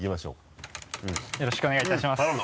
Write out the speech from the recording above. よろしくお願いします。